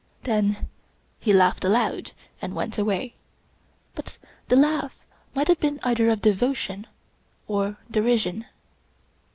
Then he laughed aloud and went away, but the laugh might have been either of devotion or derision.